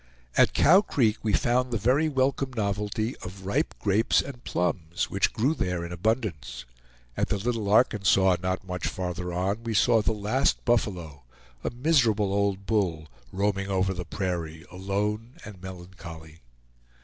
At Cow Creek we found the very welcome novelty of ripe grapes and plums, which grew there in abundance. At the Little Arkansas, not much farther on, we saw the last buffalo, a miserable old bull, roaming over the prairie alone and melancholy.